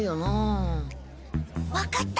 分かった。